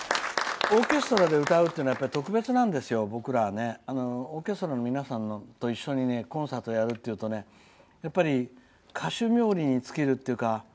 オーケストラで歌うっていうのは特別なんです、僕らは。オーケストラの皆さんと一緒にコンサートをやるってなると歌手冥利に尽きるというか。